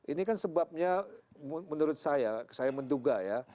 ini kan sebabnya menurut saya saya menduga ya